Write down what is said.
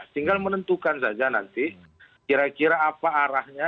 tinggal menentukan saja nanti kira kira apa arahnya